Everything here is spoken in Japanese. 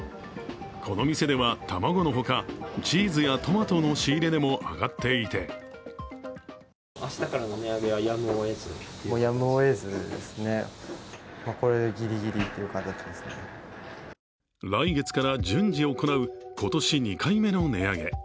この店では卵の他、チーズやトマトの仕入れ値も上がっていて来月から順次行う今年２回目の値上げ。